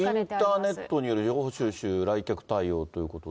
インターネットによる情報収集、来客対応ということで。